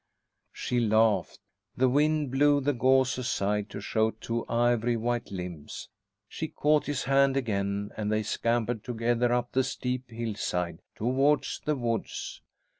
She laughed. The wind blew the gauze aside to show two ivory white limbs. She caught his hand again, and they scampered together up the steep hill side towards the woods.